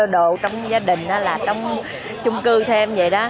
đồ trong gia đình là trong chung cư thêm vậy đó